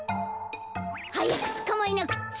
はやくつかまえなくっちゃ。